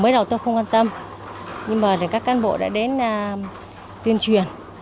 mới đầu tôi không quan tâm nhưng mà các cán bộ đã đến tuyên truyền